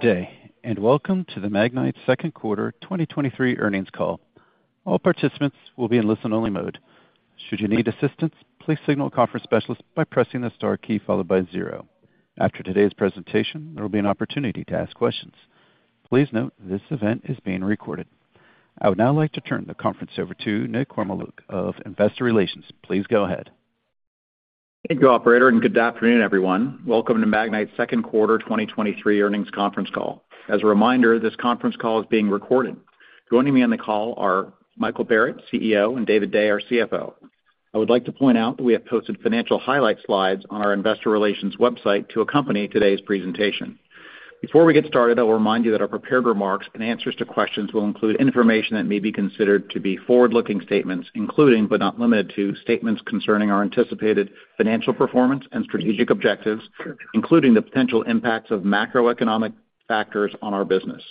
Good day. Welcome to the Magnite Second Quarter 2023 Earnings Call. All participants will be in listen-only mode. Should you need assistance, please signal a conference specialist by pressing the star key followed by zero. After today's presentation, there will be an opportunity to ask questions. Please note, this event is being recorded. I would now like to turn the conference over to Nick Kormeluk of Investor Relations. Please go ahead. Thank you, Operator, good afternoon, everyone. Welcome to Magnite's second quarter 2023 earnings conference call. As a reminder, this conference call is being recorded. Joining me on the call are Michael Barrett, CEO, David Day, our CFO. I would like to point out that we have posted financial highlight slides on our investor relations website to accompany today's presentation. Before we get started, I'll remind you that our prepared remarks and answers to questions will include information that may be considered to be forward-looking statements, including, not limited to, statements concerning our anticipated financial performance and strategic objectives, including the potential impacts of macroeconomic factors on our business.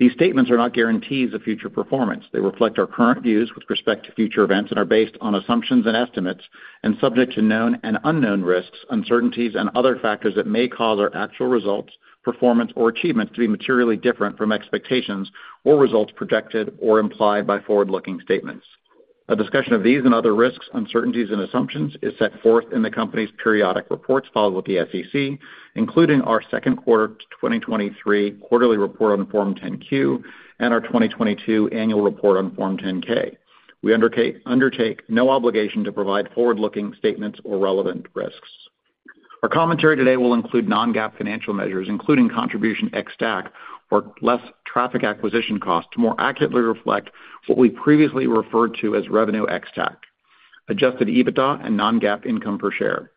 These statements are not guarantees of future performance. They reflect our current views with respect to future events and are based on assumptions and estimates, and subject to known and unknown risks, uncertainties, and other factors that may cause our actual results, performance, or achievements to be materially different from expectations or results projected or implied by forward-looking statements. A discussion of these and other risks, uncertainties, and assumptions is set forth in the company's periodic reports filed with the SEC, including our second quarter 2023 quarterly report on Form 10-Q and our 2022 annual report on Form 10-K. We undertake no obligation to provide forward-looking statements or relevant risks. Our commentary today will include non-GAAP financial measures, including contribution ex TAC or less traffic acquisition costs, to more accurately reflect what we previously referred to as revenue ex TAC, adjusted EBITDA and non-GAAP income per share.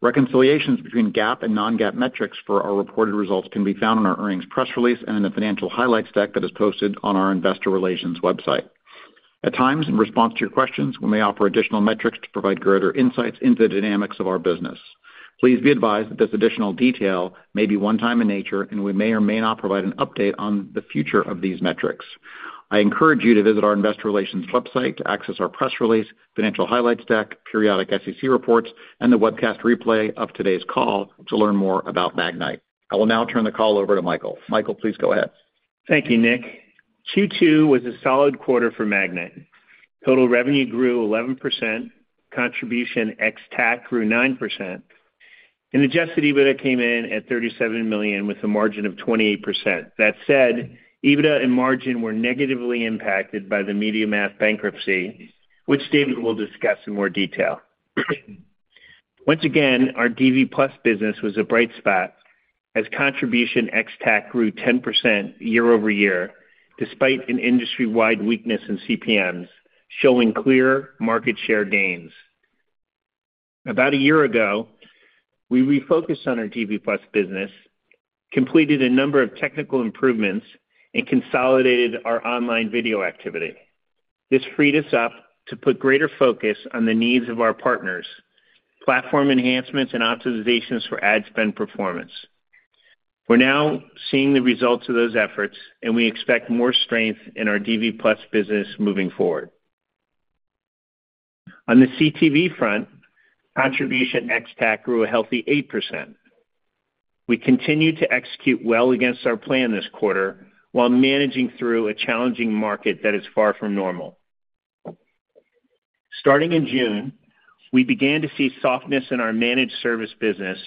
Reconciliations between GAAP and non-GAAP metrics for our reported results can be found in our earnings press release and in the financial highlights deck that is posted on our investor relations website. At times, in response to your questions, we may offer additional metrics to provide greater insights into the dynamics of our business. Please be advised that this additional detail may be one-time in nature, and we may or may not provide an update on the future of these metrics. I encourage you to visit our investor relations website to access our press release, financial highlights deck, periodic SEC reports, and the webcast replay of today's call to learn more about Magnite. I will now turn the call over to Michael. Michael, please go ahead. Thank you, Nick. Q2 was a solid quarter for Magnite. Total revenue grew 11%, contribution ex-TAC grew 9%, and adjusted EBITDA came in at $37 million, with a margin of 28%. That said, EBITDA and margin were negatively impacted by the MediaMath bankruptcy, which David will discuss in more detail. Once again, our DV+ business was a bright spot as contribution ex-TAC grew 10% YoY, despite an industry-wide weakness in CPMs, showing clear market share gains. About a year ago, we refocused on our DV+ business, completed a number of technical improvements, and consolidated our online video activity. This freed us up to put greater focus on the needs of our partners, platform enhancements, and optimizations for ad spend performance. We're now seeing the results of those efforts, and we expect more strength in our DV+ business moving forward. On the CTV front, contribution ex TAC grew a healthy 8%. We continued to execute well against our plan this quarter while managing through a challenging market that is far from normal. Starting in June, we began to see softness in our managed service business,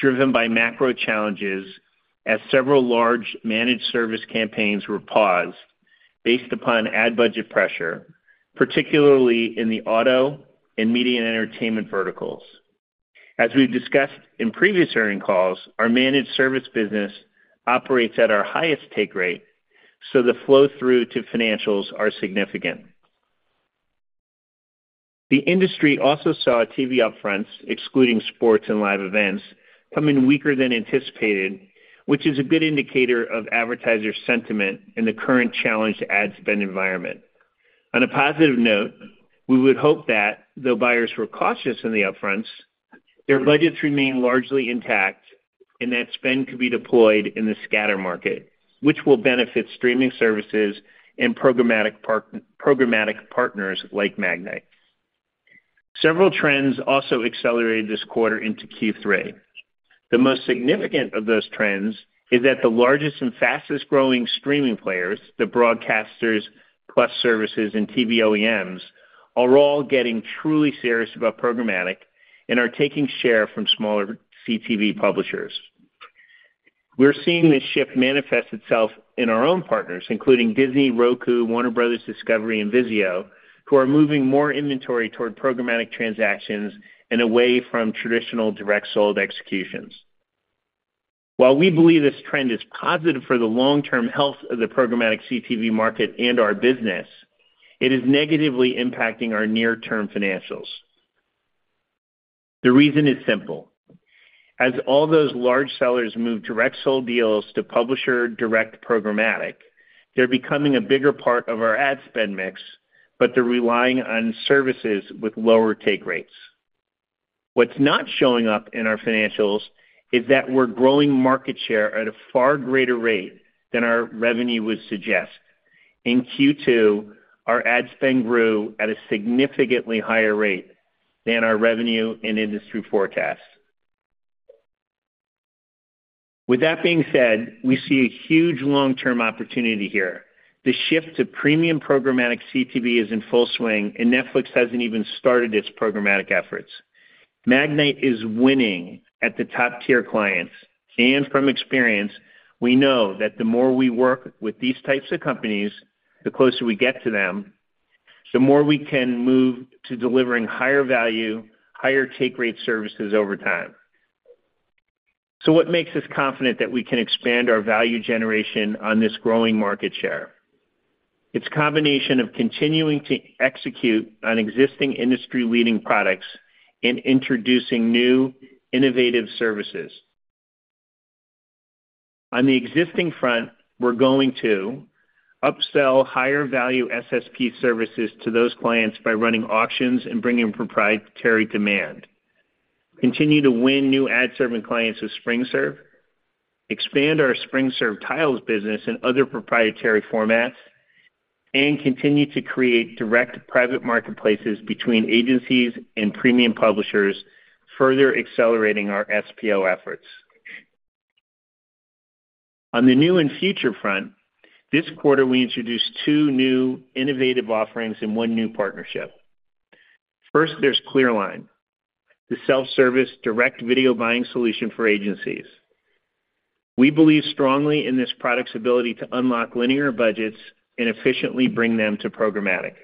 driven by macro challenges, as several large managed service campaigns were paused based upon ad budget pressure, particularly in the auto and media and entertainment verticals. As we've discussed in previous earnings calls, our managed service business operates at our highest take rate, so the flow-through to financials are significant. The industry also saw TV upfronts, excluding sports and live events, coming weaker than anticipated, which is a good indicator of advertiser sentiment in the current challenged ad spend environment. On a positive note, we would hope that though buyers were cautious in the upfronts, their budgets remain largely intact, and that spend could be deployed in the scatter market, which will benefit streaming services and programmatic programmatic partners like Magnite. Several trends also accelerated this quarter into Q3. The most significant of those trends is that the largest and fastest-growing streaming players, the broadcasters, plus services and TV OEMs, are all getting truly serious about programmatic and are taking share from smaller CTV publishers. We're seeing this shift manifest itself in our own partners, including Disney, Roku, Warner Bros. Discovery, and VIZIO, who are moving more inventory toward programmatic transactions and away from traditional direct sold executions. While we believe this trend is positive for the long-term health of the programmatic CTV market and our business, it is negatively impacting our near-term financials. The reason is simple: As all those large sellers move direct sold deals to publisher direct programmatic, they're becoming a bigger part of our ad spend mix, but they're relying on services with lower take rates. What's not showing up in our financials is that we're growing market share at a far greater rate than our revenue would suggest. In Q2, our ad spend grew at a significantly higher rate than our revenue and industry forecasts. With that being said, we see a huge long-term opportunity here. The shift to premium programmatic CTV is in full swing, and Netflix hasn't even started its programmatic efforts. Magnite is winning at the top-tier clients, and from experience, we know that the more we work with these types of companies, the closer we get to them, the more we can move to delivering higher value, higher take rate services over time. What makes us confident that we can expand our value generation on this growing market share? It's combination of continuing to execute on existing industry-leading products and introducing new innovative services. On the existing front, we're going to upsell higher value SSP services to those clients by running auctions and bringing proprietary demand, continue to win new ad serving clients with SpringServe, expand our SpringServe Tiles business and other proprietary formats, and continue to create direct private marketplaces between agencies and premium publishers, further accelerating our SPO efforts. On the new and future front, this quarter, we introduced two new innovative offerings and one new partnership. First, there's ClearLine, the self-service direct video buying solution for agencies. We believe strongly in this product's ability to unlock linear budgets and efficiently bring them to programmatic,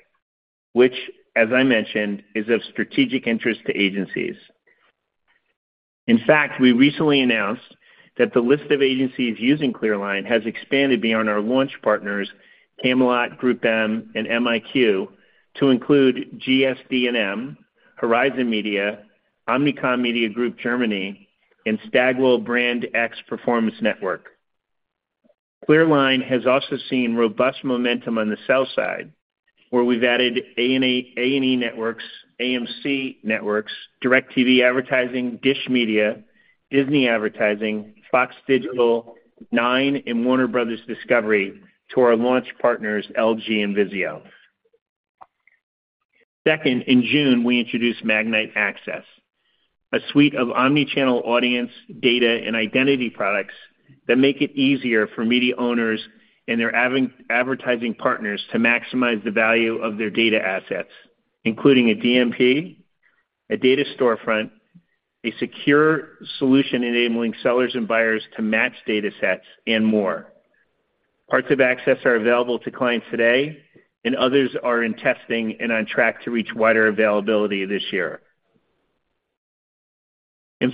which, as I mentioned, is of strategic interest to agencies. In fact, we recently announced that the list of agencies using ClearLine has expanded beyond our launch partners, Camelot, GroupM, and MiQ, to include GSD&M, Horizon Media, Omnicom Media Group Germany, and Stagwell Brand X Performance Network. ClearLine has also seen robust momentum on the sell side, where we've added A&E Networks, AMC Networks, DIRECTV Advertising, DISH Media, Disney Advertising, FOX Digital, Nine, and Warner Bros. Discovery to our launch partners, LG and VIZIO. Second, in June, we introduced Magnite Access, a suite of omni-channel audience, data, and identity products that make it easier for media owners and their advertising partners to maximize the value of their data assets, including a DMP, a data storefront, a secure solution enabling sellers and buyers to match data sets, and more. Parts of Access are available to clients today, others are in testing and on track to reach wider availability this year.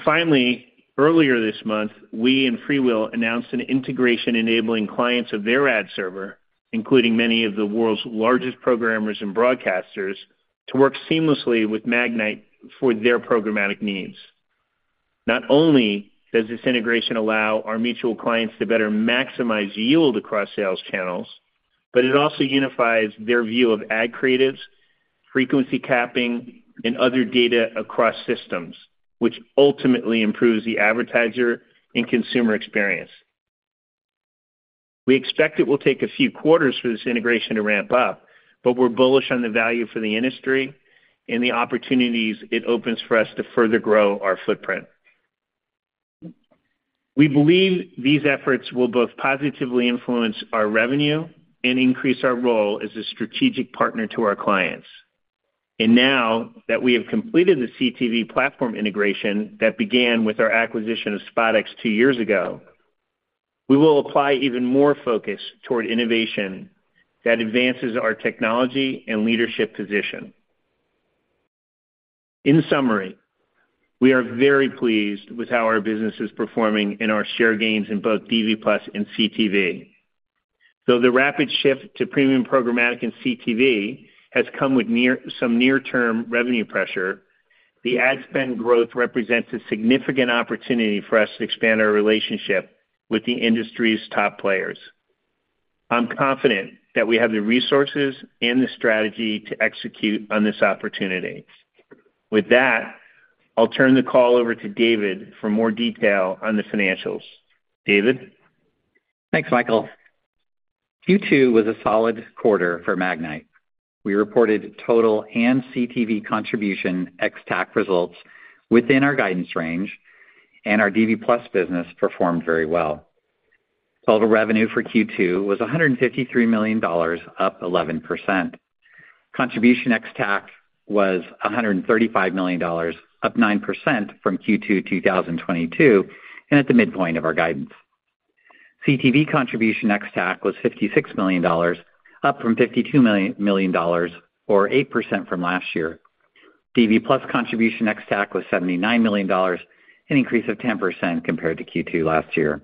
Finally, earlier this month, we and FreeWheel announced an integration enabling clients of their ad server, including many of the world's largest programmers and broadcasters, to work seamlessly with Magnite for their programmatic needs. Not only does this integration allow our mutual clients to better maximize yield across sales channels, but it also unifies their view of ad creatives, frequency capping, and other data across systems, which ultimately improves the advertiser and consumer experience. We expect it will take a few quarters for this integration to ramp up, but we're bullish on the value for the industry and the opportunities it opens for us to further grow our footprint. We believe these efforts will both positively influence our revenue and increase our role as a strategic partner to our clients. Now that we have completed the CTV platform integration that began with our acquisition of SpotX two years ago, we will apply even more focus toward innovation that advances our technology and leadership position. In summary, we are very pleased with how our business is performing and our share gains in both DV+ and CTV. Though the rapid shift to premium programmatic and CTV has come with some near-term revenue pressure, the ad spend growth represents a significant opportunity for us to expand our relationship with the industry's top players. I'm confident that we have the resources and the strategy to execute on this opportunity. With that, I'll turn the call over to David for more detail on the financials. David? Thanks, Michael. Q2 was a solid quarter for Magnite. We reported total and CTV contribution ex-TAC results within our guidance range. Our DV+ business performed very well. Total revenue for Q2 was $153 million, up 11%. Contribution ex-TAC was $135 million, up 9% from Q2 2022, at the midpoint of our guidance. CTV contribution ex-TAC was $56 million, up from $52 million, or 8% from last year. DV+ contribution ex-TAC was $79 million, an increase of 10% compared to Q2 last year.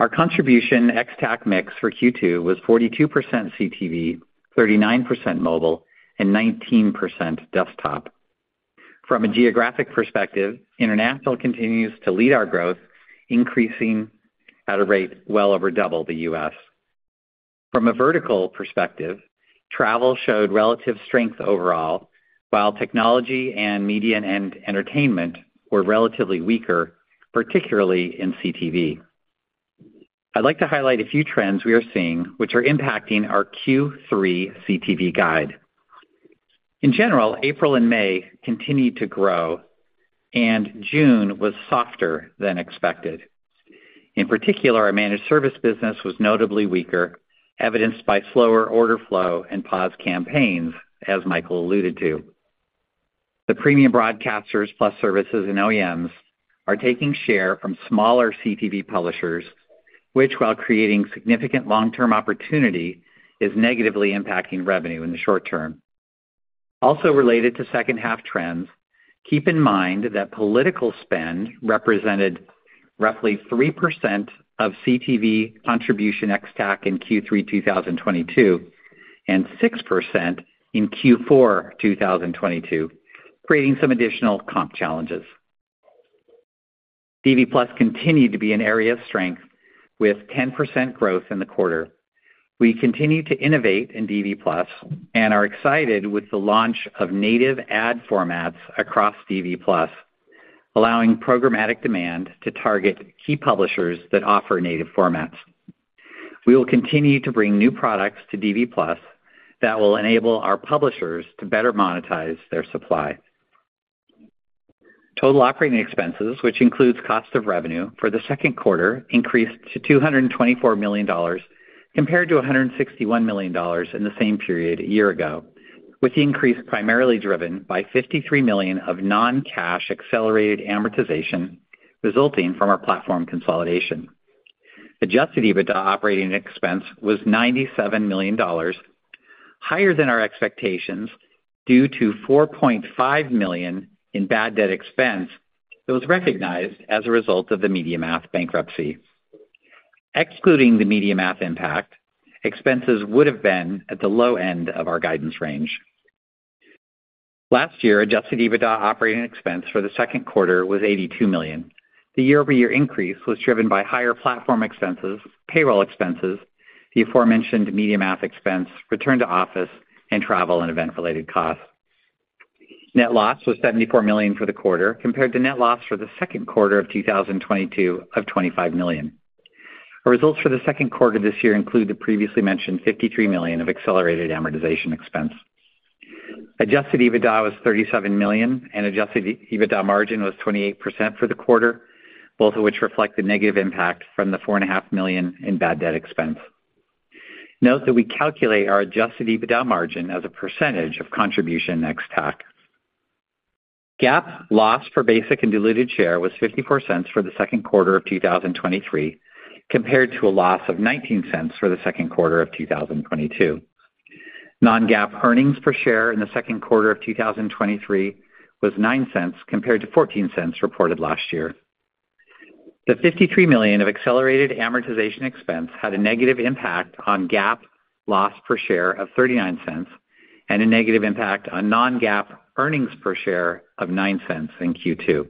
Our contribution ex-TAC mix for Q2 was 42% CTV, 39% mobile, and 19% desktop. From a geographic perspective, international continues to lead our growth, increasing at a rate well over double the U.S. From a vertical perspective, travel showed relative strength overall, while technology and media and entertainment were relatively weaker, particularly in CTV. I'd like to highlight a few trends we are seeing, which are impacting our Q3 CTV guide. In general, April and May continued to grow, and June was softer than expected. In particular, our managed service business was notably weaker, evidenced by slower order flow and paused campaigns, as Michael alluded to. The premium broadcasters plus services and OEMs are taking share from smaller CTV publishers, which, while creating significant long-term opportunity, is negatively impacting revenue in the short term. Related to second half trends, keep in mind that political spend represented roughly 3% of CTV contribution ex-TAC in Q3 2022, and 6% in Q4 2022, creating some additional comp challenges. DV+ continued to be an area of strength with 10% growth in the quarter. We continue to innovate in DV+ and are excited with the launch of native ad formats across DV+, allowing programmatic demand to target key publishers that offer native formats. We will continue to bring new products to DV+ that will enable our publishers to better monetize their supply. Total operating expenses, which includes cost of revenue for the second quarter, increased to $224 million, compared to $161 million in the same period a year ago, with the increase primarily driven by $53 million of non-cash accelerated amortization resulting from our platform consolidation. Adjusted EBITDA operating expense was $97 million, higher than our expectations, due to $4.5 million in bad debt expense that was recognized as a result of the MediaMath bankruptcy. Excluding the MediaMath impact, expenses would have been at the low end of our guidance range. Last year, adjusted EBITDA operating expense for the second quarter was $82 million. The YoY increase was driven by higher platform expenses, payroll expenses, the aforementioned MediaMath expense, return to office, and travel and event-related costs. Net loss was $74 million for the quarter, compared to net loss for the second quarter of 2022 of $25 million. Our results for the second quarter this year include the previously mentioned $53 million of accelerated amortization expense. Adjusted EBITDA was $37 million, and adjusted EBITDA margin was 28% for the quarter, both of which reflect the negative impact from the $4.5 million in bad debt expense. Note that we calculate our adjusted EBITDA margin as a % of contribution ex-TAC. GAAP loss for basic and diluted share was $0.54 for the second quarter of 2023, compared to a loss of $0.19 for the second quarter of 2022. Non-GAAP earnings per share in the second quarter of 2023 was $0.09, compared to $0.14 reported last year. The $53 million of accelerated amortization expense had a negative impact on GAAP loss per share of $0.39 and a negative impact on non-GAAP earnings per share of $0.09 in Q2.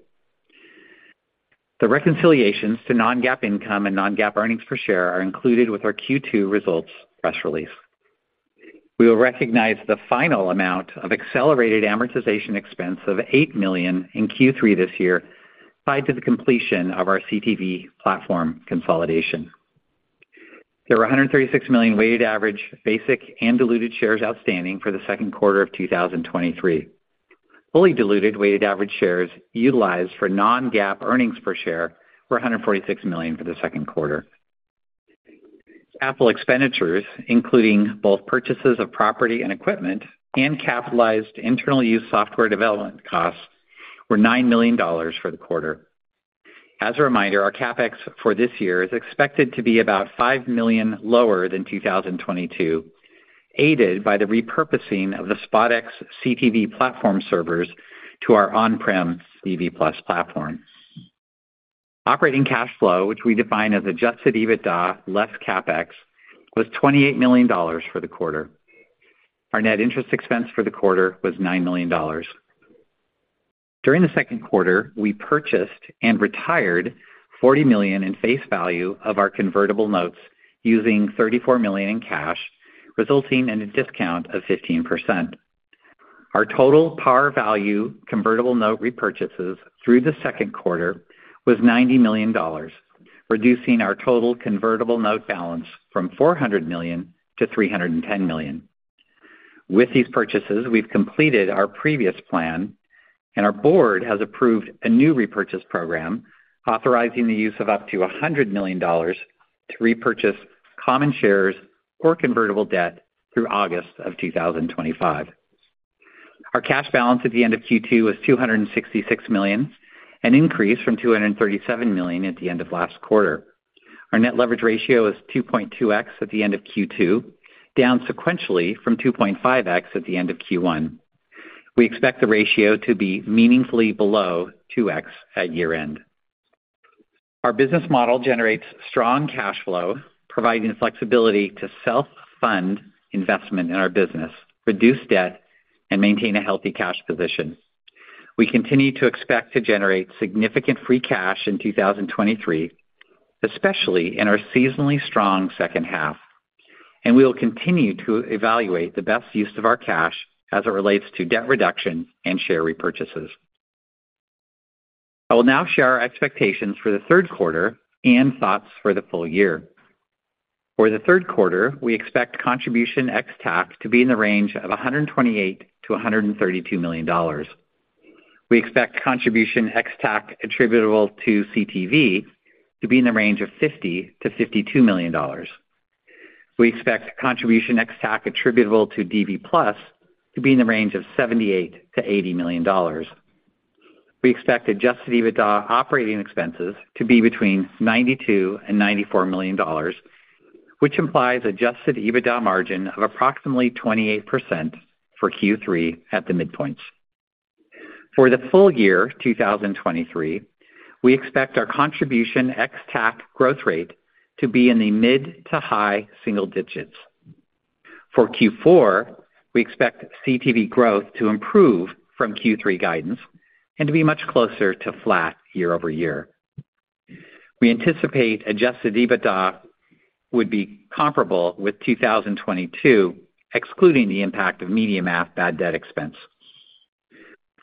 The reconciliations to non-GAAP income and non-GAAP earnings per share are included with our Q2 results press release. We will recognize the final amount of accelerated amortization expense of $8 million in Q3 this year, tied to the completion of our CTV platform consolidation. There were 136 million weighted average basic and diluted shares outstanding for the second quarter of 2023. Fully diluted weighted average shares utilized for non-GAAP earnings per share were 146 million for the second quarter. Capital expenditures, including both purchases of property and equipment and capitalized internal use software development costs, were $9 million for the quarter. As a reminder, our CapEx for this year is expected to be about $5 million lower than 2022, aided by the repurposing of the SpotX CTV platform servers to our on-prem DV+ platform. Operating cash flow, which we define as adjusted EBITDA less CapEx, was $28 million for the quarter. Our net interest expense for the quarter was $9 million. During the second quarter, we purchased and retired $40 million in face value of our convertible notes, using $34 million in cash, resulting in a discount of 15%. Our total par value convertible note repurchases through the second quarter was $90 million, reducing our total convertible note balance from $400 million to $310 million. With these purchases, we've completed our previous plan, and our board has approved a new repurchase program authorizing the use of up to $100 million to repurchase common shares or convertible debt through August of 2025. Our cash balance at the end of Q2 was $266 million, an increase from $237 million at the end of last quarter. Our net leverage ratio is 2.2x at the end of Q2, down sequentially from 2.5x at the end of Q1. We expect the ratio to be meaningfully below 2x at year-end. Our business model generates strong cash flow, providing flexibility to self-fund investment in our business, reduce debt, and maintain a healthy cash position. We continue to expect to generate significant free cash in 2023, especially in our seasonally strong second half, and we will continue to evaluate the best use of our cash as it relates to debt reduction and share repurchases. I will now share our expectations for the third quarter and thoughts for the full year. For the third quarter, we expect contribution ex-TAC to be in the range of $128 million-$132 million. We expect contribution ex-TAC attributable to CTV to be in the range of $50 million-$52 million. We expect contribution ex-TAC attributable to DV+ to be in the range of $78 million-$80 million. We expect adjusted EBITDA operating expenses to be between $92 million and $94 million, which implies adjusted EBITDA margin of approximately 28% for Q3 at the midpoints. For the full year, 2023, we expect our contribution ex-TAC growth rate to be in the mid to high single digits. For Q4, we expect CTV growth to improve from Q3 guidance and to be much closer to flat YoY. We anticipate adjusted EBITDA would be comparable with 2022, excluding the impact of MediaMath bad debt expense.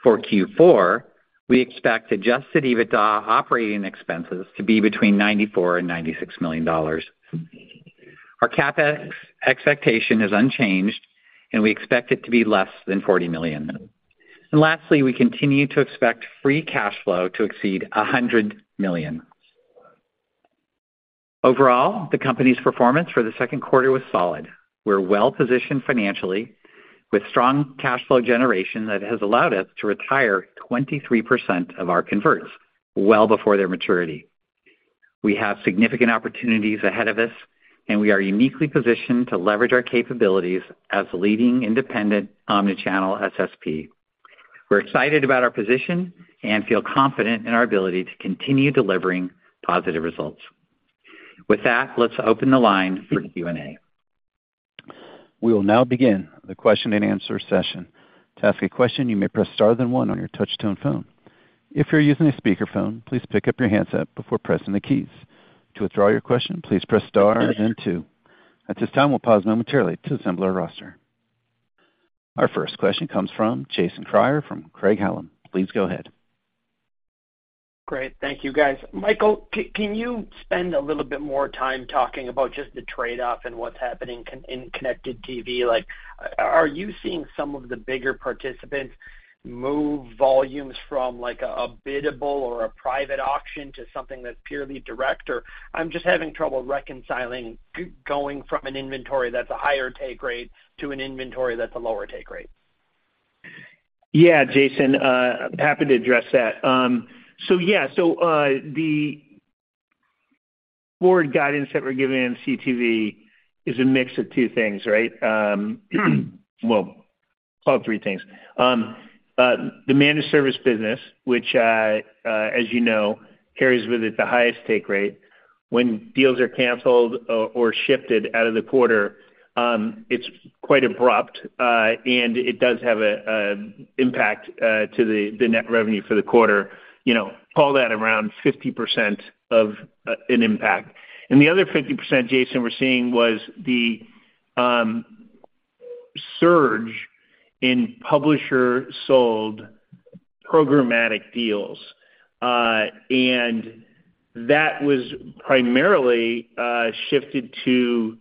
For Q4, we expect adjusted EBITDA operating expenses to be between $94 million-$96 million. Our CapEx expectation is unchanged, we expect it to be less than $40 million. Lastly, we continue to expect free cash flow to exceed $100 million. Overall, the company's performance for the second quarter was solid. We're well positioned financially, with strong cash flow generation that has allowed us to retire 23% of our converts well before their maturity. We have significant opportunities ahead of us, and we are uniquely positioned to leverage our capabilities as a leading independent omni-channel SSP. We're excited about our position and feel confident in our ability to continue delivering positive results. With that, let's open the line for Q&A. We will now begin the question-and-answer session. To ask a question, you may press Star then one on your touch-tone phone. If you're using a speakerphone, please pick up your handset before pressing the keys. To withdraw your question, please press Star, then two. At this time, we'll pause momentarily to assemble our roster. Our first question comes from Jason Kreyer, from Craig-Hallum. Please go ahead. Great. Thank you, guys. Michael, can you spend a little bit more time talking about just the trade-off and what's happening in connected TV? Like, are you seeing some of the bigger participants move volumes from, like, a biddable or a private auction to something that's purely direct, or...? I'm just having trouble reconciling going from an inventory that's a higher take rate to an inventory that's a lower take rate. Yeah, Jason, happy to address that. The forward guidance that we're giving in CTV is a mix of two things, right? Well, call it three things. The managed service business, which, as you know, carries with it the highest take rate when deals are canceled or, or shifted out of the quarter, it's quite abrupt, and it does have a impact to the net revenue for the quarter. You know, call that around 50% of an impact. The other 50%, Jason, we're seeing was the surge in publisher-sold programmatic deals, and that was primarily shifted to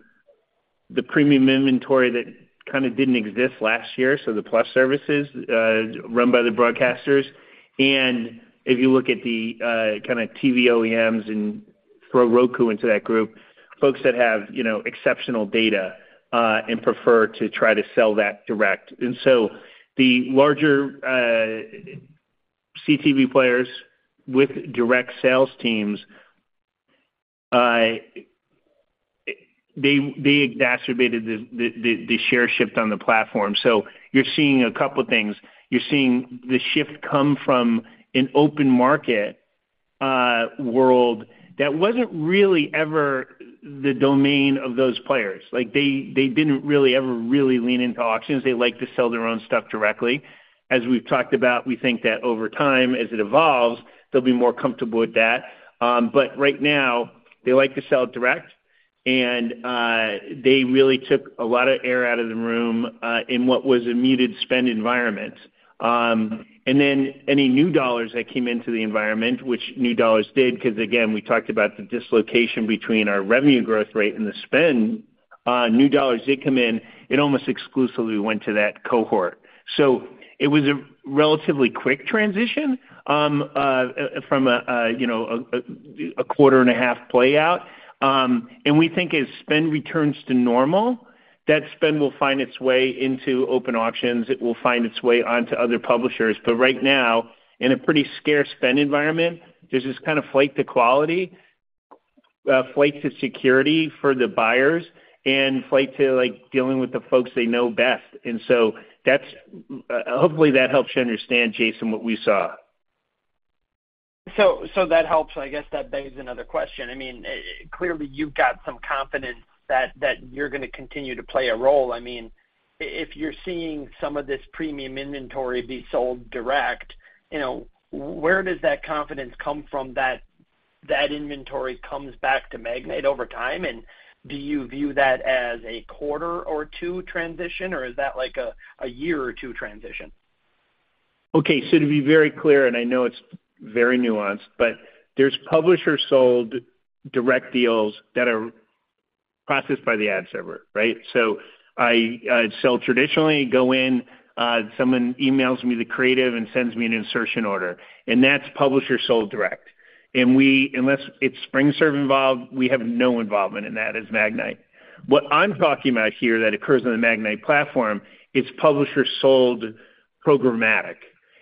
the premium inventory that kind of didn't exist last year, so the Plus services run by the broadcasters. If you look at the kind of TV OEMs, and throw Roku into that group, folks that have, you know, exceptional data, and prefer to try to sell that direct. The larger CTV players with direct sales teams, they exacerbated the share shift on the platform. You're seeing a couple things. You're seeing the shift come from an open market world that wasn't really ever the domain of those players. Like, they, they didn't really ever really lean into auctions. They like to sell their own stuff directly. As we've talked about, we think that over time, as it evolves, they'll be more comfortable with that. Right now, they like to sell direct, and they really took a lot of air out of the room in what was a muted spend environment. Any new dollars that came into the environment, which new dollars did, because again, we talked about the dislocation between our revenue growth rate and the spend, new dollars did come in, it almost exclusively went to that cohort. It was a relatively quick transition from a 1.5 quarters play out. We think as spend returns to normal, that spend will find its way into open auctions. It will find its way onto other publishers. Right now, in a pretty scarce spend environment, there's this kind of flight to quality, flight to security for the buyers and flight to like, dealing with the folks they know best. Hopefully, that helps you understand, Jason, what we saw. So that helps. I guess that begs another question. I mean, clearly, you've got some confidence that, that you're going to continue to play a role. I mean, if you're seeing some of this premium inventory be sold direct, you know, where does that confidence come from that inventory comes back to Magnite over time, and do you view that as a quarter or two transition, or is that like a, a year or two transition? Okay, to be very clear, I know it's very nuanced, there's publisher-sold direct deals that are processed by the ad server, right? I, I'd sell traditionally, go in, someone emails me the creative sends me an insertion order, that's publisher-sold direct. Unless it's SpringServe involved, we have no involvement in that as Magnite. What I'm talking about here that occurs on the Magnite platform, is publisher-sold programmatic.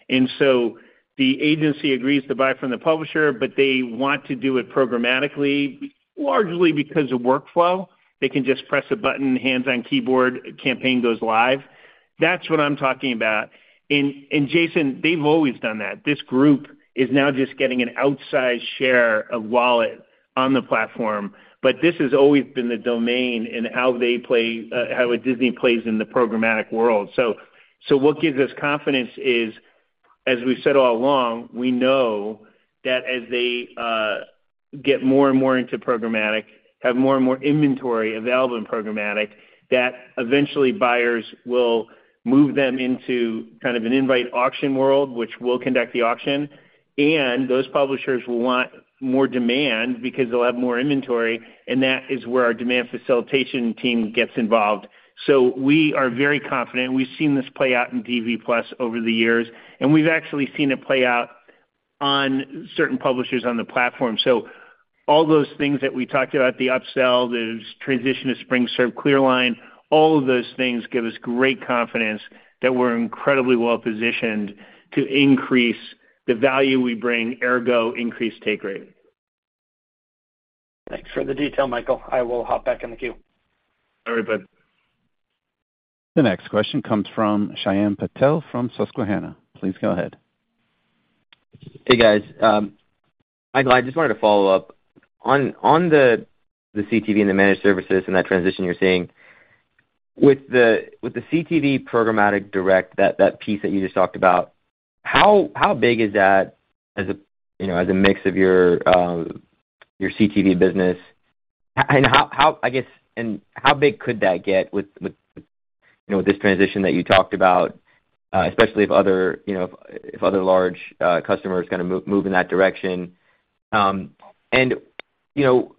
The agency agrees to buy from the publisher, they want to do it programmatically, largely because of workflow. They can just press a button, hands on keyboard, campaign goes live. That's what I'm talking about. Jason, they've always done that. This group is now just getting an outsized share of wallet on the platform. This has always been the domain in how they play, how a Disney plays in the programmatic world. So what gives us confidence is, as we've said all along, we know that as they get more and more into programmatic, have more and more inventory available in programmatic, that eventually buyers will move them into kind of an invite auction world, which we'll conduct the auction, and those publishers will want more demand because they'll have more inventory, and that is where our demand facilitation team gets involved. We are very confident, and we've seen this play out in DV+ over the years, and we've actually seen it play out on certain publishers on the platform. All those things that we talked about, the upsell, the transition to SpringServe ClearLine, all of those things give us great confidence that we're incredibly well positioned to increase the value we bring, ergo, increased take rate. Thanks for the detail, Michael. I will hop back in the queue. All right, bud. The next question comes from Shyam Patil from Susquehanna. Please go ahead. Hey, guys. Michael, I just wanted to follow up. On the CTV and the managed services and that transition you're seeing, with the CTV programmatic direct, that piece that you just talked about, how big is that as a, you know, as a mix of your CTV business? How, I guess, and how big could that get with, you know, with this transition that you talked about, especially if other, you know, if other large customers kind of move in that direction? You know,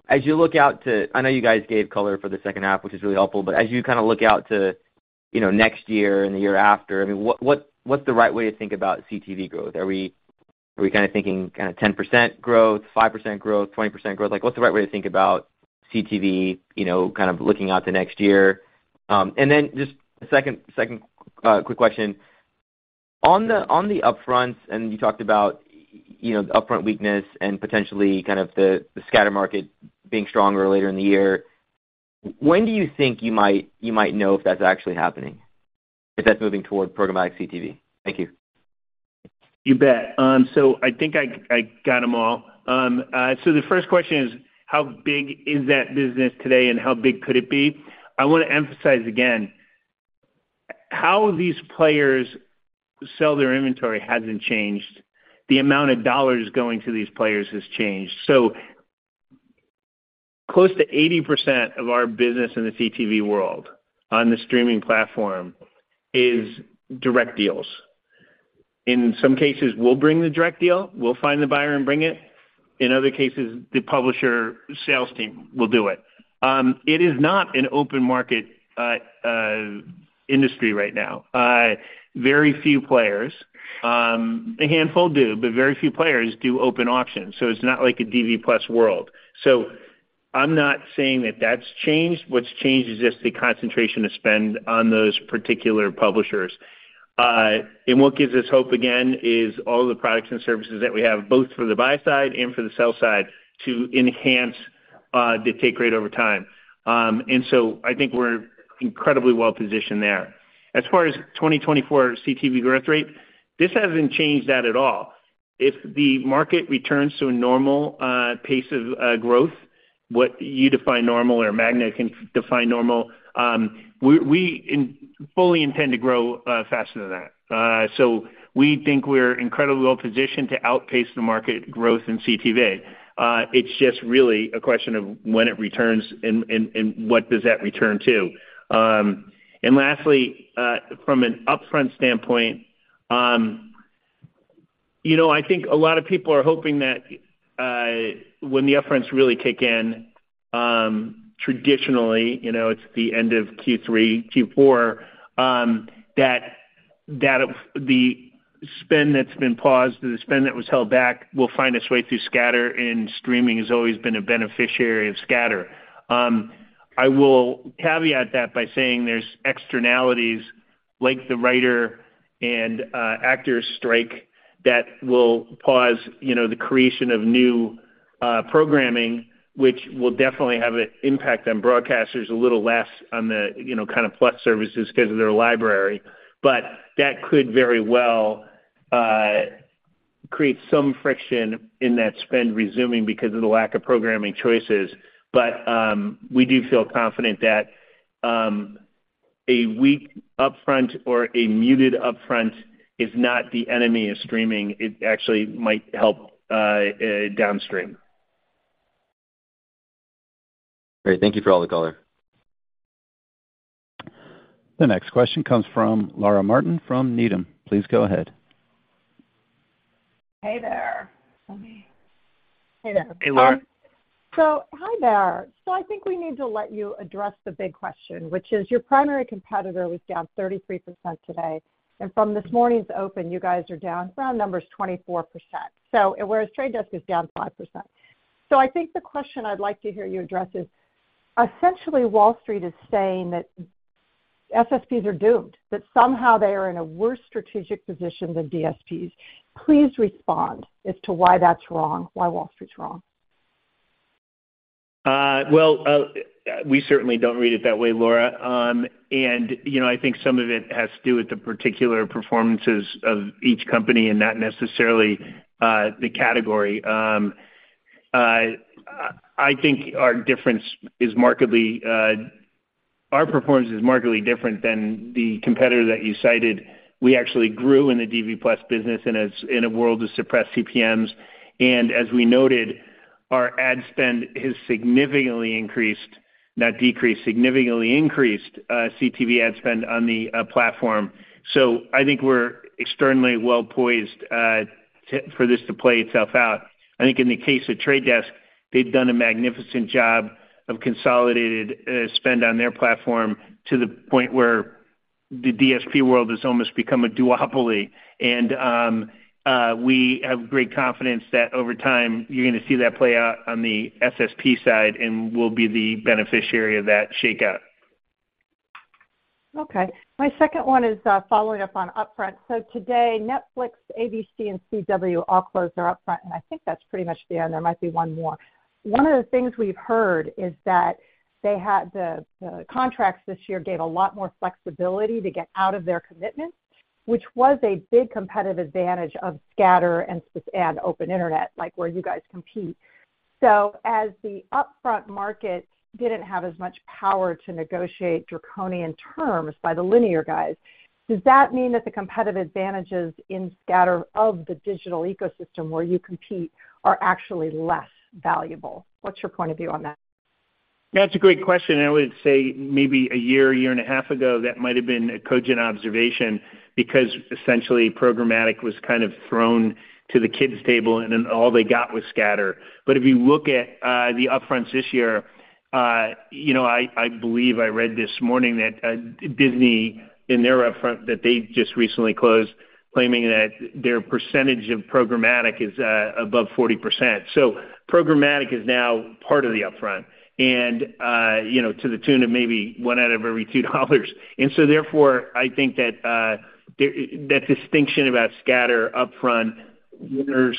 as you look out to... I know you guys gave color for the second half, which is really helpful, but as you kind of look out to, you know, next year and the year after, I mean, what, what, what's the right way to think about CTV growth? Are we, are we kind of thinking kind of 10% growth, 5% growth, 20% growth? Like, what's the right way to think about CTV, you know, kind of looking out to next year? Then just a second, second quick question: on the, on the upfronts, and you talked about, you know, the upfront weakness and potentially kind of the, the scatter market being stronger later in the year, when do you think you might, you might know if that's actually happening, if that's moving toward programmatic CTV? Thank you. You bet. I think I, I got them all. The first question is, how big is that business today and how big could it be? I want to emphasize again, how these players sell their inventory hasn't changed. The amount of dollars going to these players has changed. Close to 80% of our business in the CTV world on the streaming platform is direct deals. In some cases, we'll bring the direct deal, we'll find the buyer and bring it. In other cases, the publisher sales team will do it. It is not an open market industry right now. Very few players, a handful do, but very few players do open auctions, so it's not like a DV+ world. I'm not saying that that's changed. What's changed is just the concentration of spend on those particular publishers. What gives us hope, again, is all the products and services that we have, both for the buy side and for the sell side, to enhance the take rate over time. I think we're incredibly well positioned there. As far as 2024 CTV growth rate, this hasn't changed that at all. If the market returns to a normal pace of growth, what you define normal or Magnite can define normal, we fully intend to grow faster than that. We think we're incredibly well positioned to outpace the market growth in CTV. It's just really a question of when it returns and, and, and what does that return to? Lastly, from an upfront standpoint, you know, I think a lot of people are hoping that, when the upfronts really kick in, traditionally, you know, it's the end of Q3, Q4, that, that the spend that's been paused or the spend that was held back will find its way through scatter, and streaming has always been a beneficiary of scatter. I will caveat that by saying there's externalities like the writer and actors strike, that will pause, you know, the creation of new programming, which will definitely have an impact on broadcasters, a little less on the, you know, kind of flex services because of their library. That could very well create some friction in that spend resuming because of the lack of programming choices. We do feel confident that. a weak upfront or a muted upfront is not the enemy of streaming. It actually might help downstream. Great. Thank you for all the color. The next question comes from Laura Martin from Needham. Please go ahead. Hey there. Hey, Laura. Hi there. I think we need to let you address the big question, which is your primary competitor was down 33% today, and from this morning's open, you guys are down, round number is 24%. Whereas The Trade Desk is down 5%. I think the question I'd like to hear you address is, essentially, Wall Street is saying that SSPs are doomed, that somehow they are in a worse strategic position than DSPs. Please respond as to why that's wrong, why Wall Street's wrong. Well, we certainly don't read it that way, Laura. You know, I think some of it has to do with the particular performances of each company and not necessarily the category. I think our difference is markedly, our performance is markedly different than the competitor that you cited. We actually grew in the DV+ business in a, in a world of suppressed CPMs. As we noted, our ad spend has significantly increased, not decreased, significantly increased, CTV ad spend on the platform. I think we're extremely well poised for this to play itself out. I think in the case of Trade Desk, they've done a magnificent job of consolidated spend on their platform to the point where the DSP world has almost become a duopoly. We have great confidence that over time, you're gonna see that play out on the SSP side and we'll be the beneficiary of that shakeup. Okay. My second one is, following up on Upfront. Today, Netflix, ABC, and CW all closed their Upfront, and I think that's pretty much the end. There might be one more. One of the things we've heard is that they had the contracts this year gave a lot more flexibility to get out of their commitments, which was a big competitive advantage of scatter and ad open internet, like where you guys compete. As the Upfront market didn't have as much power to negotiate draconian terms by the linear guys, does that mean that the competitive advantages in scatter of the digital ecosystem where you compete are actually less valuable? What's your point of view on that? That's a great question. I would say maybe a year, a year and a half ago, that might have been a cogent observation because essentially programmatic was kind of thrown to the kids' table, and then all they got was scatter. If you look at the upfronts this year, you know, I, I believe I read this morning that Disney, in their upfront, that they just recently closed, claiming that their percentage of programmatic is above 40%. Programmatic is now part of the upfront and, you know, to the tune of maybe one out of every two dollars. Therefore, I think that the, that distinction about scatter upfront, winner,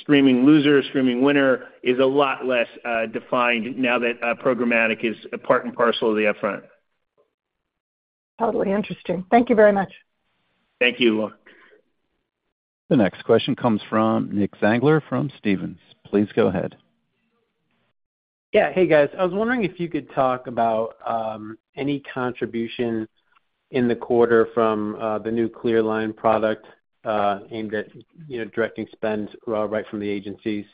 streaming loser, streaming winner, is a lot less defined now that programmatic is a part and parcel of the upfront. Totally interesting. Thank you very much. Thank you, Laura. The next question comes from Nick Zangler from Stephens. Please go ahead. Yeah. Hey, guys. I was wondering if you could talk about, any contribution in the quarter from, the new ClearLine product, aimed at, you know, directing spend right from the agencies.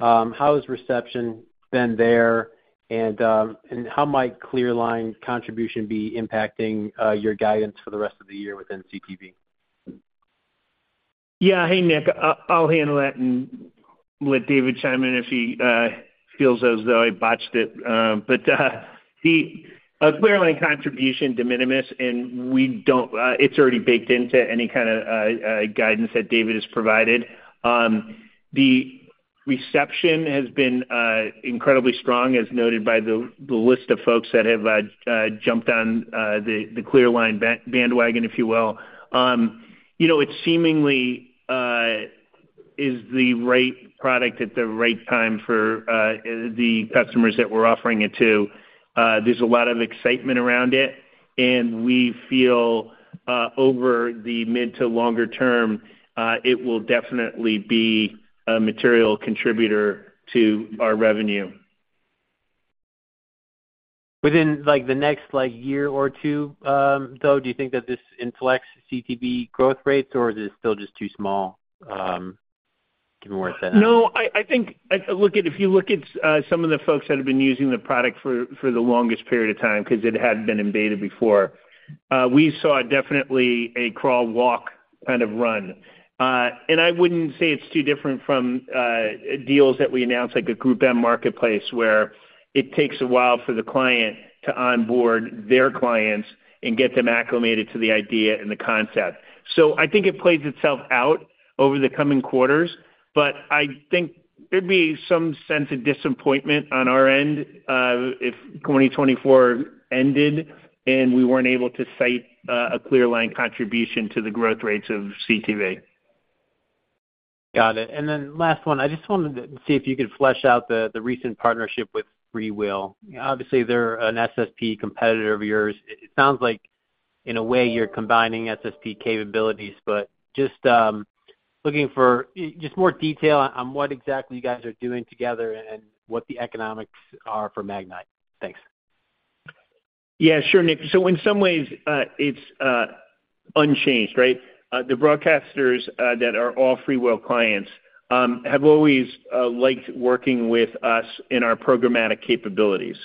How has reception been there? How might ClearLine contribution be impacting, your guidance for the rest of the year within CTV? Yeah. Hey, Nick, I'll handle that and let David chime in if he feels as though I botched it. The ClearLine contribution de minimis, and we don't, it's already baked into any kind of guidance that David has provided. The reception has been incredibly strong, as noted by the list of folks that have jumped on the ClearLine bandwagon, if you will. You know, it seemingly is the right product at the right time for the customers that we're offering it to. There's a lot of excitement around it, we feel over the mid to longer term, it will definitely be a material contributor to our revenue. Within, like, the next, like, one or two, though, do you think that this inflects CTV growth rates, or is it still just too small, to warrant that? No, I, I think -- I -- look at -- if you look at, some of the folks that have been using the product for, for the longest period of time because it had been in beta before, we saw definitely a crawl, walk, kind of run. I wouldn't say it's too different from deals that we announced, like a GroupM Premium Marketplace, where it takes a while for the client to onboard their clients and get them acclimated to the idea and the concept. I think it plays itself out over the coming quarters, but I think there'd be some sense of disappointment on our end, if 2024 ended and we weren't able to cite a ClearLine contribution to the growth rates of CTV. Got it. Last one, I just wanted to see if you could flesh out the, the recent partnership with FreeWheel. Obviously, they're an SSP competitor of yours. It sounds like, in a way, you're combining SSP capabilities, but just looking for just more detail on, on what exactly you guys are doing together and what the economics are for Magnite. Thanks. Yeah, sure, Nick. In some ways, it's unchanged, right? The broadcasters that are all FreeWheel clients have always liked working with us in our programmatic capabilities,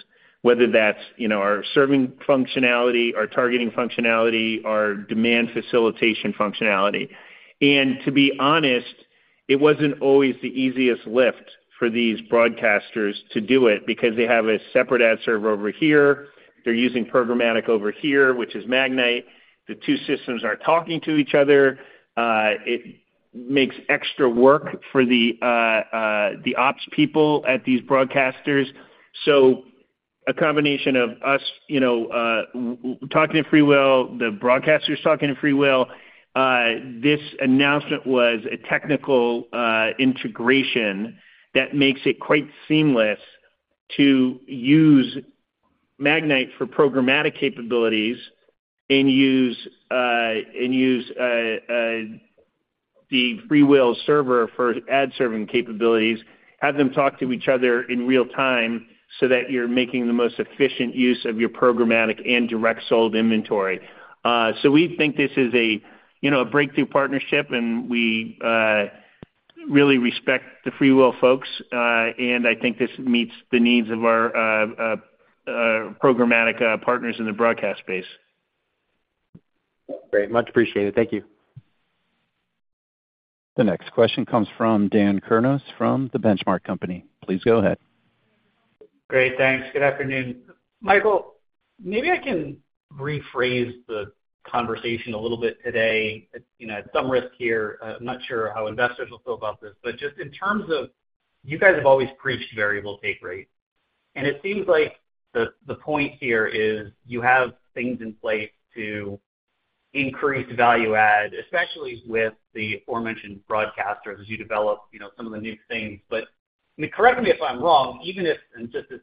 whether that's, you know, our serving functionality, our targeting functionality, our demand facilitation functionality. To be honest, it wasn't always the easiest lift for these broadcasters to do it because they have a separate ad server over here. They're using programmatic over here, which is Magnite. The two systems are talking to each other. It makes extra work for the ops people at these broadcasters. A combination of us, you know, talking to FreeWheel, the broadcasters talking to FreeWheel, this announcement was a technical integration that makes it quite seamless to use Magnite for programmatic capabilities and use and use the FreeWheel server for ad serving capabilities, have them talk to each other in real time so that you're making the most efficient use of your programmatic and direct sold inventory. We think this is a, you know, a breakthrough partnership, and we really respect the FreeWheel folks, and I think this meets the needs of our programmatic partners in the broadcast space. Great, much appreciated. Thank you. The next question comes from Dan Kurnos from The Benchmark Company. Please go ahead. Great, thanks. Good afternoon. Michael, maybe I can rephrase the conversation a little bit today. You know, at some risk here, I'm not sure how investors will feel about this, but just in terms of you guys have always preached variable take rate, and it seems like the, the point here is you have things in place to increase value add, especially with the aforementioned broadcasters, as you develop, you know, some of the new things. I mean, correct me if I'm wrong, even if, and just to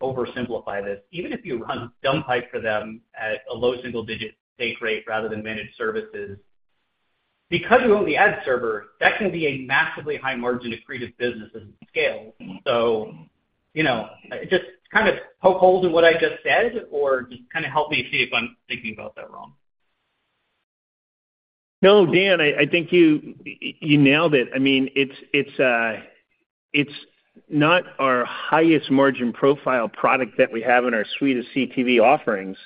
oversimplify this, even if you run dump pipe for them at a low 1-digit take rate rather than managed services, because you own the ad server, that can be a massively high margin accretive business as it scales. You know, just kind of poke holes in what I just said or just kind of help me see if I'm thinking about that wrong? No, Dan, I, I think you, you nailed it. I mean, it's, it's, it's not our highest margin profile product that we have in our suite of CTV offerings,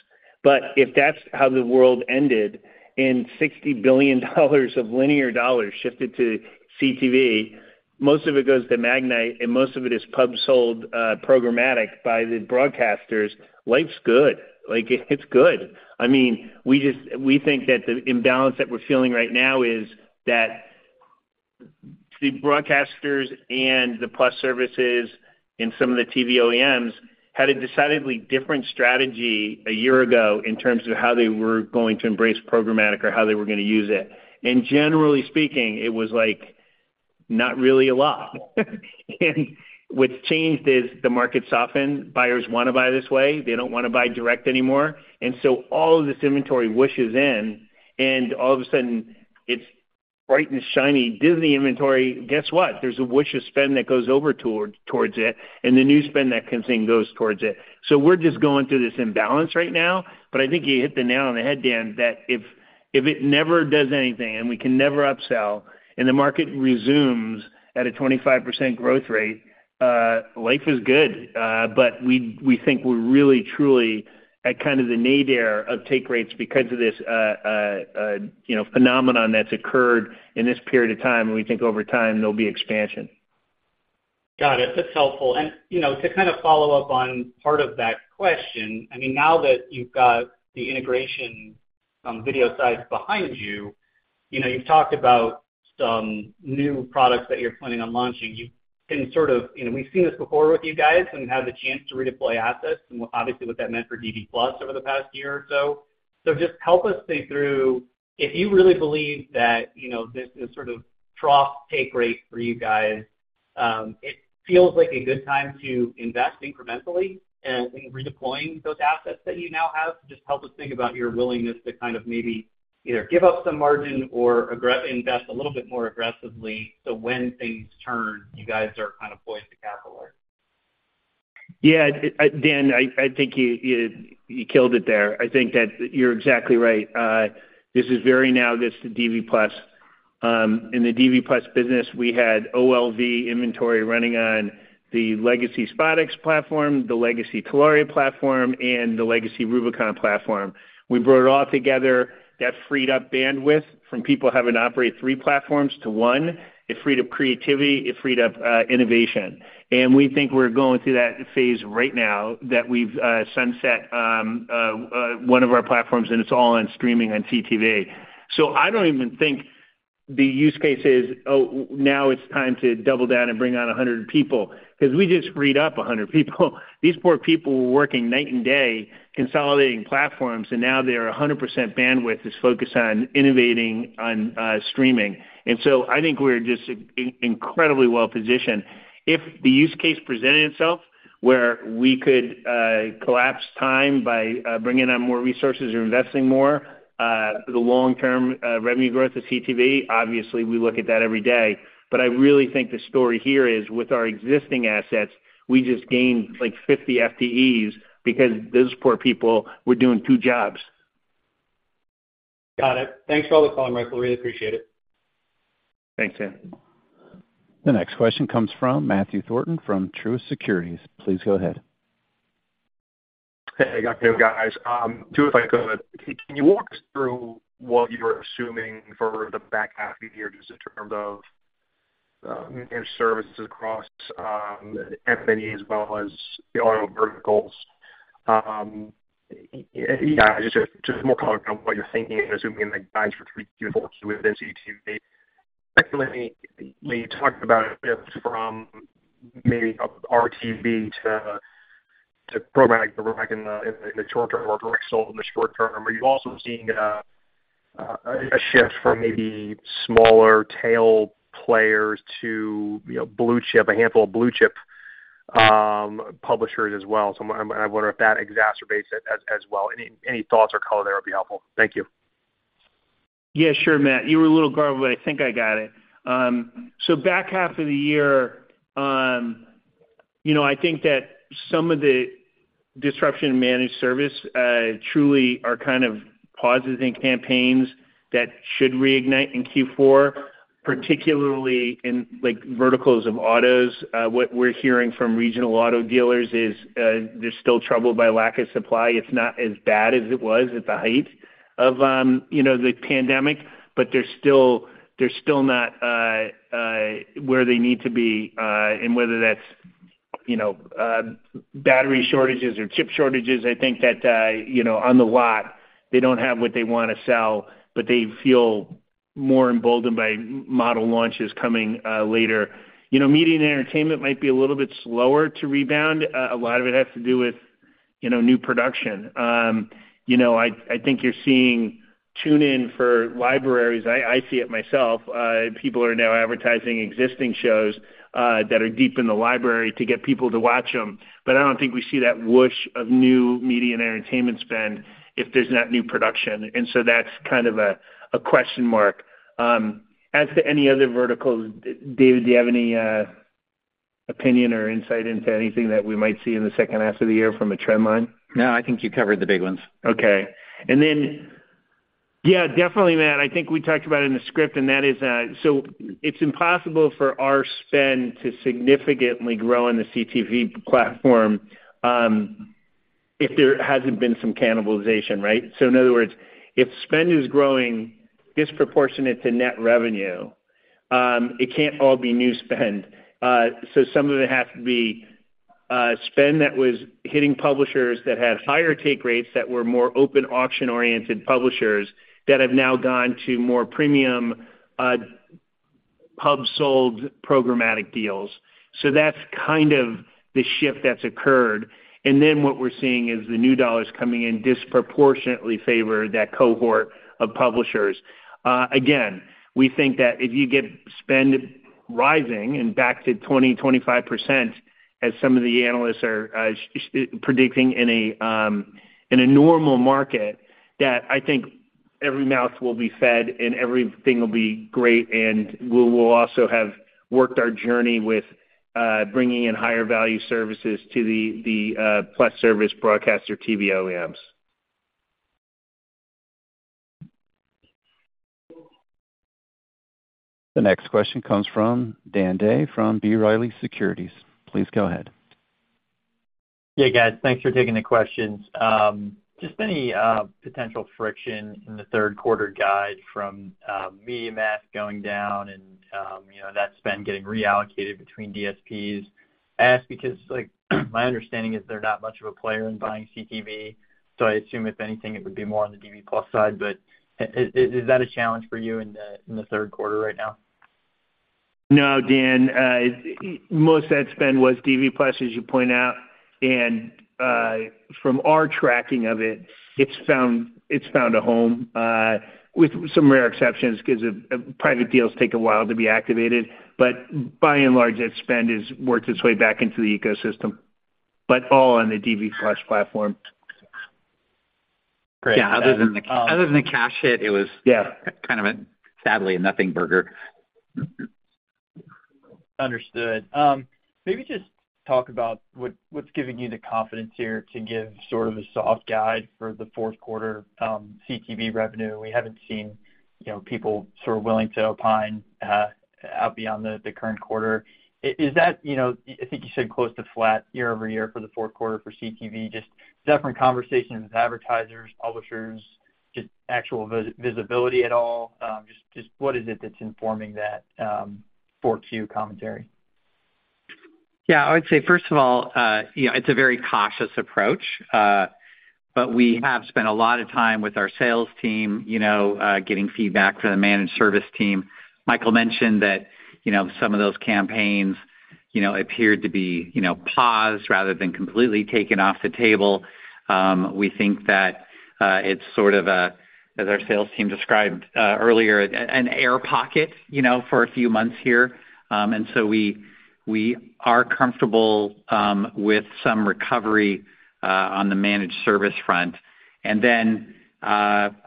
but if that's how the world ended, and $60 billion of linear dollars shifted to CTV, most of it goes to Magnite, and most of it is pub sold, programmatic by the broadcasters, life's good. Like, it, it's good. I mean, we think that the imbalance that we're feeling right now is that the broadcasters and the plus services and some of the TV OEMs had a decidedly different strategy a year ago in terms of how they were going to embrace programmatic or how they were going to use it. Generally speaking, it was like, not really a lot. What's changed is the market softened. Buyers want to buy this way. They don't want to buy direct anymore. All of this inventory whooshes in, and all of a sudden, it's bright and shiny. Disney inventory, guess what? There's a whoosh of spend that goes over toward, towards it, and the new spend that comes in goes towards it. We're just going through this imbalance right now, but I think you hit the nail on the head, Dan, that if, if it never does anything and we can never upsell, and the market resumes at a 25% growth rate, life is good. But we, we think we're really, truly at kind of the nadir of take rates because of this, you know, phenomenon that's occurred in this period of time, and we think over time there'll be expansion. Got it. That's helpful. You know, to kind of follow up on part of that question, I mean, now that you've got the integration on video sides behind you, you know, you've talked about some new products that you're planning on launching. You can sort of, you know, we've seen this before with you guys and have the chance to redeploy assets and obviously what that meant for DV+ over the past year or so. Just help us think through, if you really believe that, you know, this is sort of trough take rate for you guys, it feels like a good time to invest incrementally and redeploying those assets that you now have. Just help us think about your willingness to kind of maybe either give up some margin or invest a little bit more aggressively, so when things turn, you guys are kind of poised to capitalize. Yeah, Dan, I, I think you, you, you killed it there. I think that you're exactly right. This is very analogous to DV+. In the DV+ business, we had OLV inventory running on the legacy SpotX platform, the legacy Telaria platform, and the legacy Rubicon platform. We brought it all together. That freed up bandwidth from people having to operate three platforms to one. It freed up creativity, it freed up innovation. We think we're going through that phase right now, that we've sunset one of our platforms, and it's all on streaming on CTV. I don't even think the use case is, oh, w- now it's time to double down and bring on 100 people, 'cause we just freed up 100 people. These poor people were working night and day, consolidating platforms. Now they're 100% bandwidth is focused on innovating on streaming. I think we're just incredibly well positioned. If the use case presented itself, where we could collapse time by bringing on more resources or investing more, the long-term revenue growth of CTV, obviously, we look at that every day. I really think the story here is, with our existing assets, we just gained, like, 50 FTEs because those poor people were doing two jobs. Got it. Thanks for all the color, Michael, really appreciate it. Thanks, Dan. The next question comes from Matthew Thornton from Truist Securities. Please go ahead. Hey, good day, guys. two, if I could. Can you walk us through what you're assuming for the back half of the year, just in terms of your services across MVPD as well as the auto verticals? Yeah, just more color on what you're thinking and assuming in the guides for Q3 and Q4 within CTV. Secondly, when you talked about a bit from maybe RTV to programmatic, but we're back in the short term or direct sold in the short term. Are you also seeing a shift from maybe smaller tail players to, you know, blue chip, a handful of blue chip publishers as well? I'm, I wonder if that exacerbates it as well. Any, any thoughts or color there would be helpful. Thank you. Yeah, sure, Matt. You were a little garbled, but I think I got it. Back half of the year, you know, I think that some of the disruption in managed service truly are kind of pauses in campaigns that should reignite in Q4, particularly in, like, verticals of autos. What we're hearing from regional auto dealers is they're still troubled by lack of supply. It's not as bad as it was at the height of, you know, the pandemic, but they're still, they're still not where they need to be. Whether that's, you know, battery shortages or chip shortages, I think that, you know, on the lot, they don't have what they want to sell, but they feel more emboldened by model launches coming later. You know, media and entertainment might be a little bit slower to rebound. A lot of it has to do with, you know, new production. You know, I, I think you're seeing tune in for libraries. I, I see it myself. People are now advertising existing shows, that are deep in the library to get people to watch them. I don't think we see that whoosh of new media and entertainment spend if there's not new production, and so that's kind of a, a question mark. As to any other verticals, David, do you have any opinion or insight into anything that we might see in the second half of the year from a trend line? No, I think you covered the big ones. Okay. Then, yeah, definitely, Matt, I think we talked about it in the script, and that is, it's impossible for our spend to significantly grow in the CTV platform, if there hasn't been some cannibalization, right? In other words, if spend is growing disproportionate to net revenue, it can't all be new spend. Some of it has to be spend that was hitting publishers that had higher take rates, that were more open auction-oriented publishers, that have now gone to more premium, pub sold programmatic deals. That's kind of the shift that's occurred. Then what we're seeing is the new dollars coming in disproportionately favor that cohort of publishers. Again, we think that if you get spend rising and back to 20%-25%, as some of the analysts are predicting in a normal market, that I think every mouth will be fed and everything will be great, and we will also have worked our journey with bringing in higher value services to the, the, plus service broadcaster TV OMS. The next question comes from Dan Day from B. Riley Securities. Please go ahead. Yeah, guys, thanks for taking the questions. Just any potential friction in the third quarter guide from MediaMath going down and, you know, that spend getting reallocated between DSPs. I ask because, like, my understanding is they're not much of a player in buying CTV, so I assume if anything, it would be more on the DV+ side. Is that a challenge for you in the third quarter right now? No, Dan, most of that spend was DV+, as you point out, from our tracking of it, it's found, it's found a home with some rare exceptions, 'cause private deals take a while to be activated. By and large, that spend has worked its way back into the ecosystem, but all on the DV+ platform. Great. Yeah, other than the, other than the cash hit, it was- Yeah... kind of a, sadly, a nothing burger. Understood. Maybe just talk about what, what's giving you the confidence here to give sort of a soft guide for the fourth quarter, CTV revenue? We haven't seen, you know, people sort of willing to opine out beyond the, the current quarter. Is that, you know, I think you said close to flat YoY for the fourth quarter for CTV. Just different conversations with advertisers, publishers, just actual visibility at all. Just, just what is it that's informing that, 4Q commentary? Yeah, I would say, first of all, you know, it's a very cautious approach, but we have spent a lot of time with our sales team, you know, getting feedback from the managed service team. Michael mentioned that, you know, some of those campaigns, you know, appeared to be, you know, paused rather than completely taken off the table. We think that it's sort of a, as our sales team described, earlier, an, an air pocket, you know, for a few months here. So we, we are comfortable with some recovery on the managed service front. Then,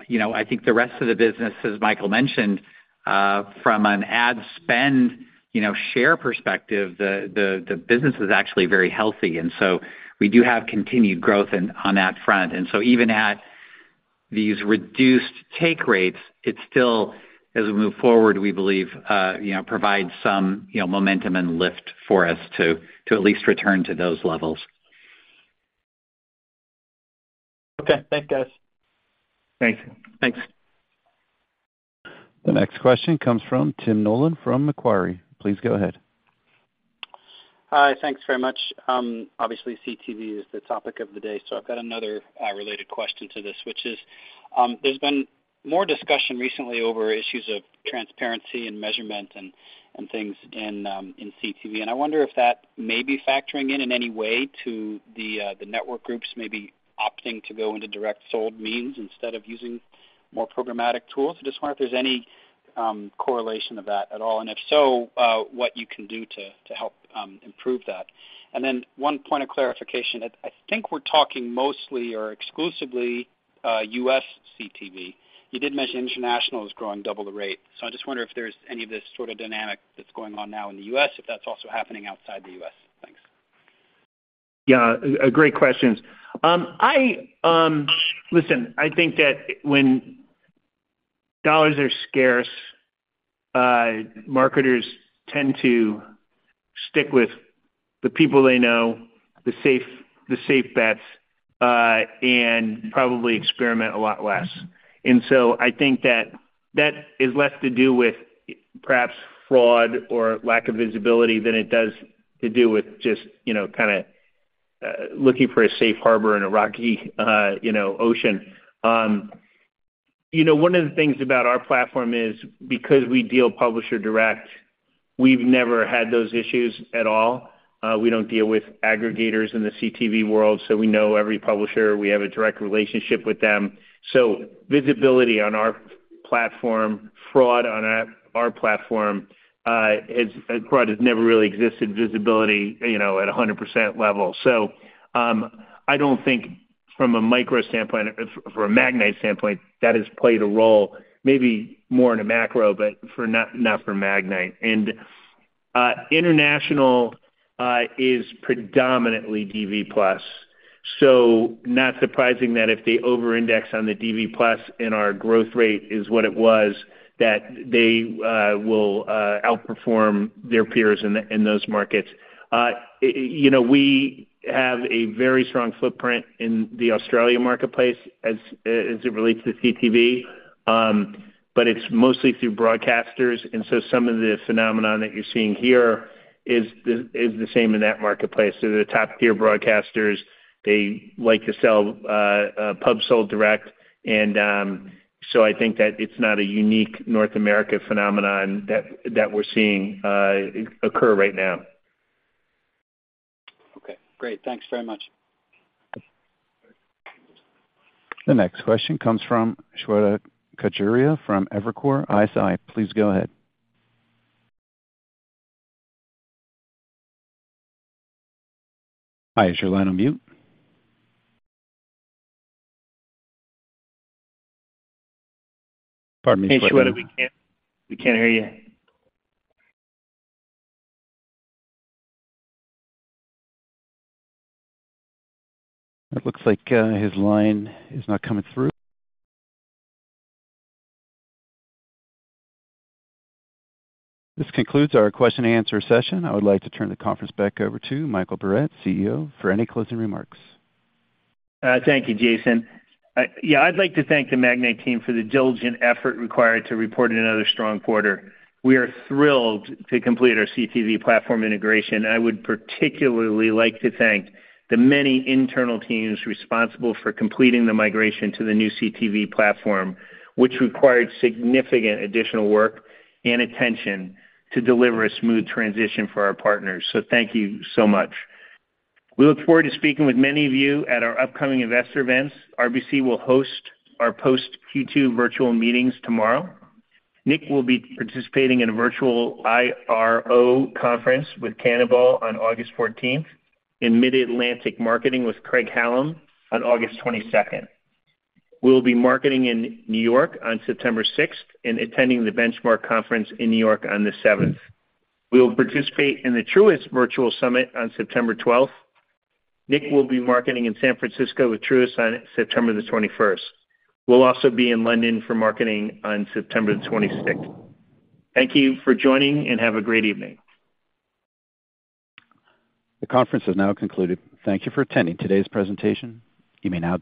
you know, I think the rest of the business, as Michael mentioned.... from an ad spend, you know, share perspective, the, the, the business is actually very healthy. We do have continued growth in, on that front. Even at these reduced take rates, it's still, as we move forward, we believe, you know, provides some, you know, momentum and lift for us to, to at least return to those levels. Okay, thanks, guys. Thanks. Thanks. The next question comes from Tim Nollen from Macquarie. Please go ahead. Hi, thanks very much. Obviously, CTV is the topic of the day, so I've got another related question to this, which is, there's been more discussion recently over issues of transparency and measurement and things in CTV. I wonder if that may be factoring in, in any way to the network groups maybe opting to go into direct sold means instead of using more programmatic tools. I just wonder if there's any correlation of that at all, and if so, what you can do to help improve that. Then one point of clarification: I think we're talking mostly or exclusively, U.S. CTV. You did mention international is growing double the rate, I just wonder if there's any of this sort of dynamic that's going on now in the U.S., if that's also happening outside the U.S. Thanks. Yeah, great questions. Listen, I think that when dollars are scarce, marketers tend to stick with the people they know, the safe, the safe bets, and probably experiment a lot less. So I think that that is less to do with perhaps fraud or lack of visibility than it does to do with just, you know, kinda, looking for a safe harbor in a rocky, you know, ocean. You know, one of the things about our platform is because we deal publisher-direct, we've never had those issues at all. We don't deal with aggregators in the CTV world, so we know every publisher. We have a direct relationship with them. So visibility on our platform, fraud on our, our platform, it's, fraud has never really existed, visibility, you know, at a 100% level. I don't think from a micro standpoint, from a Magnite standpoint, that has played a role, maybe more in a macro, but for, not, not for Magnite. International is predominantly DV+. Not surprising that if they overindex on the DV+ and our growth rate is what it was, that they will outperform their peers in those markets. You know, we have a very strong footprint in the Australian marketplace as, as it relates to CTV, but it's mostly through broadcasters, and so some of the phenomenon that you're seeing here is the, is the same in that marketplace. The top-tier broadcasters, they like to sell, pub sold direct, and, so I think that it's not a unique North America phenomenon that, that we're seeing, occur right now. Okay, great. Thanks very much. The next question comes from Shweta Khajuria from Evercore ISI. Please go ahead. Hi, is your line on mute? Pardon me- Hey, Shweta, we can't, we can't hear you. It looks like his line is not coming through. This concludes our question and answer session. I would like to turn the conference back over to Michael Barrett, CEO, for any closing remarks. Thank you, Jason. I'd like to thank the Magnite team for the diligent effort required to report another strong quarter. We are thrilled to complete our CTV platform integration. I would particularly like to thank the many internal teams responsible for completing the migration to the new CTV platform, which required significant additional work and attention to deliver a smooth transition for our partners. Thank you so much. We look forward to speaking with many of you at our upcoming investor events. RBC will host our post-Q2 virtual meetings tomorrow. Nick will be participating in a virtual IR conference with Cannonball on August 14th, and Mid-Atlantic marketing with Craig-Hallum on August 22nd. We will be marketing in New York on September 6th and attending the Benchmark Conference in New York on the 7th. We will participate in the Truist Virtual Summit on September 12th. Nick will be marketing in San Francisco with Truist on September 21st. We'll also be in London for marketing on September 26th. Thank you for joining, and have a great evening. The conference has now concluded. Thank you for attending today's presentation. You may now disconnect.